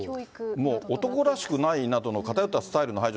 もう男らしくないなどの偏ったスタイルの排除。